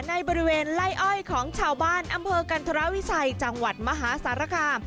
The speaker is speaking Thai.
ในบริเวณไล่อ้อยของชาวบ้านอำเภอกันธรวิชัยจังหวัดมหาสารคาม